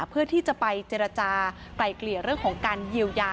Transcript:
เพื่อที่จะไปเจรจากลายเกลี่ยเรื่องของการเยียวยา